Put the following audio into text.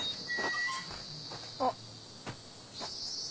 あっ。